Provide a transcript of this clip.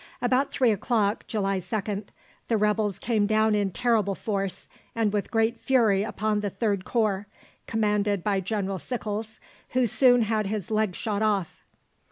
About three o'clock, July 2nd, the rebels came down in terrible force and with great fury upon the 3rd Corps, commanded by General Sickles, who soon had his leg shot off.